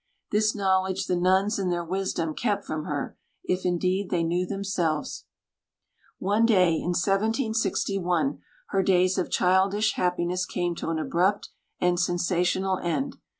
This knowledge the nuns, in their wisdom, kept from her if, indeed, they knew themselves. One day, in 1761, her days of childish happiness came to an abrupt and sensational end.